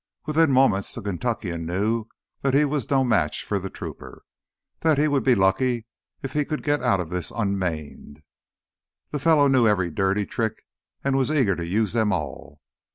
Within moments the Kentuckian knew that he was no match for the trooper, that he would be lucky if he could get out of this unmaimed. The fellow knew every dirty trick and was eager to use them all.